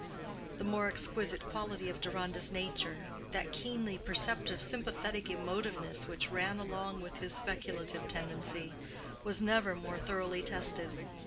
The more exquisite quality of Deronda's nature—that keenly perceptive sympathetic emotiveness which ran along with his speculative tendency—was never more thoroughly tested.